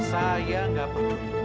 saya nggak peduli